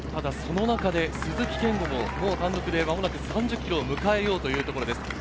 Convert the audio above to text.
その中で鈴木健吾も単独で間もなく３０ｋｍを迎えようというところ。